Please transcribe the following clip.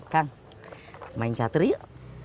kang main chatter yuk